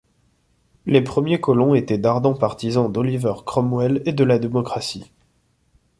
Les premiers colons étaient d'ardents partisans d'Oliver Cromwell et de la démocratie.